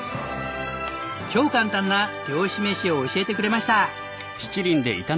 超簡単な漁師飯を教えてくれました。